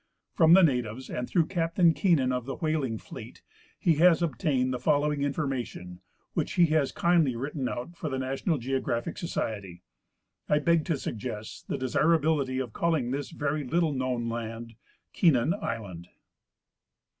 From the natives and through Captain Keenan of the whaling fleet he has obtained the folloAving information, Avhich he has kindly written out for the National Geographic Society. I beg to suggest the desirability of calling this very little known land Keenan island.